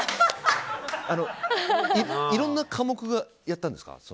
いろんな科目やったんですか？